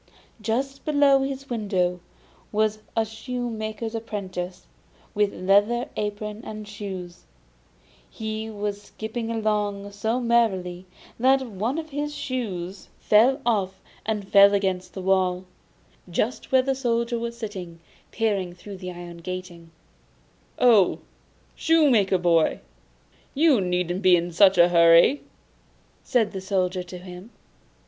Just below his window was a shoemaker's apprentice, with leather apron and shoes; he was skipping along so merrily that one of his shoes flew off and fell against the wall, just where the Soldier was sitting peeping through the iron grating. 'Oh, shoemaker's boy, you needn't be in such a hurry!' said the Soldier to him.